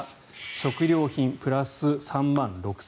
食料品、プラス３万６０００円。